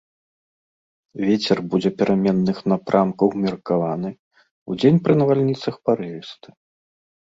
Вецер будзе пераменных напрамкаў умеркаваны, удзень пры навальніцах парывісты.